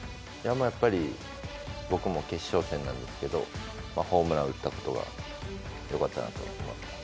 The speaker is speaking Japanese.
やっぱり僕も決勝戦なんですけどホームランを打ったことが良かったなと思ってます。